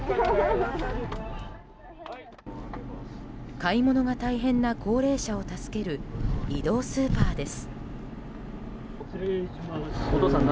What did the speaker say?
買い物が大変な高齢者を助ける移動スーパーです。